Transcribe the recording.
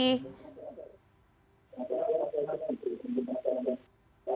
tidak ada pemerintah yang bisa disambut positif